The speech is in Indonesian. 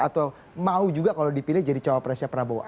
atau mau juga kalau dipilih jadi cowok presnya prabowo